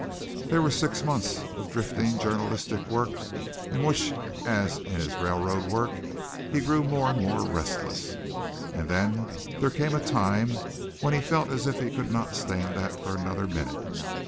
There was six months of the drifting journalistic work, in which as in his railroad work he grew more and more restless, and then there came a time when he felt as if he could not stand that for another minute.